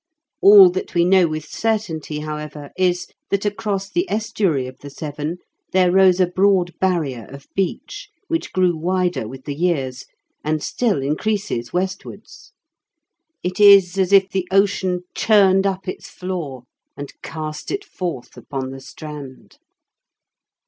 All that we know with certainty, however, is, that across the estuary of the Severn there rose a broad barrier of beach, which grew wider with the years, and still increases westwards. It is as if the ocean churned up its floor and cast it forth upon the strand.